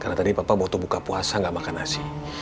karena tadi papa waktu buka puasa gak makan nasi